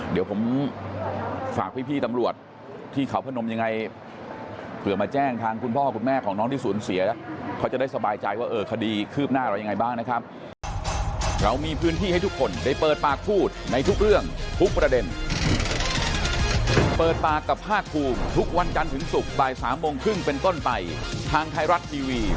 เดี๋ยวผมฝากพี่ตำรวจที่เขาพนมยังไงเผื่อมาแจ้งทางคุณพ่อคุณแม่ของน้องที่สูญเสียเขาจะได้สบายใจว่าเออคดีคืบหน้าเรายังไงบ้างนะครับ